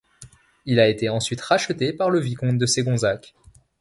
Il a été ensuite racheté par le vicomte de Segonzac.